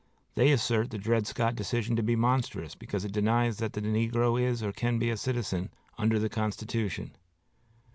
They assert the Dred Scott decision to be monstrous because it denies that the negro is or can be a citizen under the Constitution.